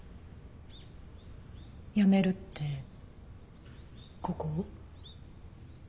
やめるってここを？